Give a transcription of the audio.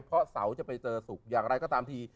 เพราะเสาร์จะไปเจอศุกร์อย่างไรก็ตามที